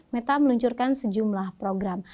meta meluncurkan sejumlah program